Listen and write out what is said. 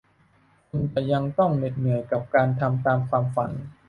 คุณจะยังต้องเหน็ดเหนื่อยกับการทำตามความฝัน